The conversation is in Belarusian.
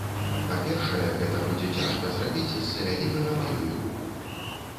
Па-першае, гэта будзе цяжка зрабіць з-за вялікага па ёй руху.